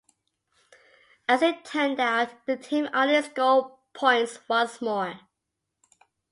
As it turned out, the team only scored points once more.